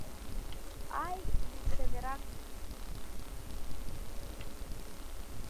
Ай, лӱдшӧ мераҥ!